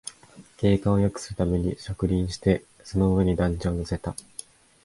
景観をよくするために植林して、その上に団地を乗せた